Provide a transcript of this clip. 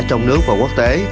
trong nước và quốc tế